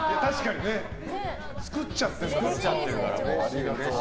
作っちゃってるからね。